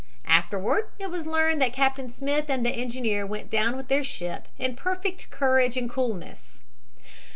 Afterward it was learned that Captain Smith and the engineer went down with their ship in perfect courage and coolness.